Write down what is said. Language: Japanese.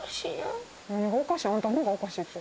おかしい、あんたのほうがおかしいって。